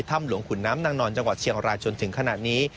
ถ้ำหลวงขุนน้ำนางนอนจังหวัดเชียงรายจนถึงขณะนี้